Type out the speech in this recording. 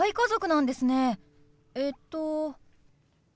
えっと？